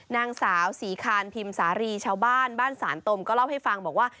นางสาวศรีคานพิมพ์สารีชาวบ้านบ้านสานตมก็เล่าให้ฟังบอกว่า